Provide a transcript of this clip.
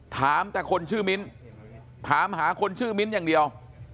ถามแต่คนชื่อมิ้นถามหาคนชื่อมิ้นอย่างเดียว